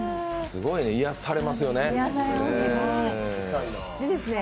すごいね、癒されますね。